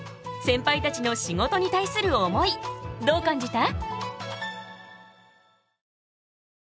センパイたちの仕事に対する思いどう感じた？